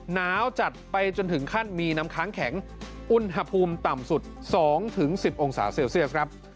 หนาวจัดไปจนถึงขั้นมีน้ำค้างแข็งอุณหภูมิต่ำสุด๒๑๐องศาเซลเซียสครับ